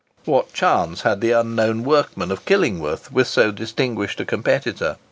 What chance had the unknown workman of Killingworth with so distinguished a competitor?